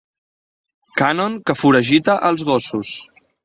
Cànon que foragita els gossos.